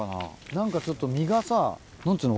何かちょっと身がさ何つうの？